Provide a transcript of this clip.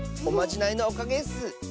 おまじないのおかげッス。